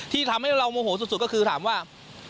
ที่ทำให้เราโมโหสุดก็คือถามว่า